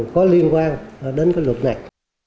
có liên quan đến cái luật này